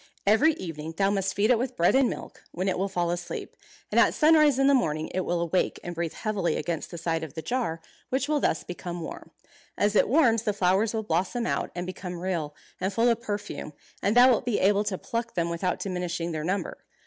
Every evening thou must feed it with bread and milk, when it will fall asleep; and at sunrise in the morning it will awake and breathe heavily against the side of the jar, which will thus become warm. As it warms the flowers will blossom out, and become real, and full of perfume, and thou wilt be able to pluck them without diminishing their number.